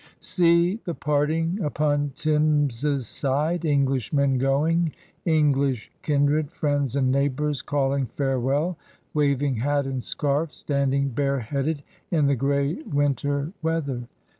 See the parting upon Thames's side. English men going, English kindred, friends, and neighbors calling farewell, waving hat and scarf, standing bare headed in the gray winter weather!